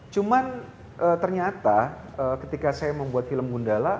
cuman ternyata ketika saya membuat film gundala